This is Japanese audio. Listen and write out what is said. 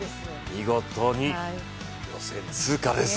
見事に予選通過です。